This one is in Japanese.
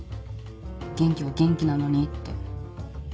元気は元気なのにって。